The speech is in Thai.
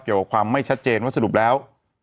เกี่ยวกับความไม่ชัดเจนว่าสรุปแล้ว